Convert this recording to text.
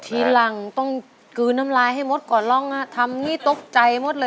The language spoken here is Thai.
ทีหลังต้องกืนน้ำลายให้มดก่อนลองนะทำงี้ตกใจมดเลยอ่ะ